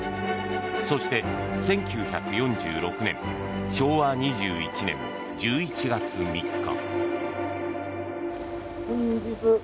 そして、１９４６年昭和２１年１１月３日。